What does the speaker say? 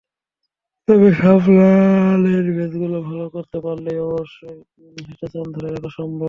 তবে সামনের ম্যাচগুলোয় ভালো করতে পারলে অবশ্যই শীর্ষস্থান ধরে রাখা সম্ভব।